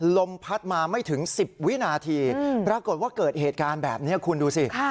ลมพัดมาไม่ถึง๑๐วินาทีปรากฏว่าเกิดเหตุการณ์แบบนี้คุณดูสิ